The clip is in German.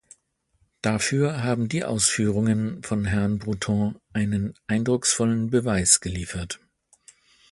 Dafür haben die Ausführungen von Herrn Bruton einen eindrucksvollen Beweis geliefert.